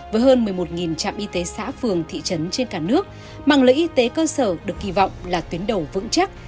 với hơn một mươi một trạm y tế xã phường thị trấn trên cả nước mạng lưới y tế cơ sở được kỳ vọng là tuyến đầu vững chắc